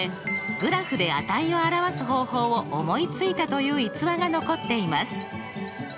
グラフで値を表す方法を思いついたという逸話が残っています。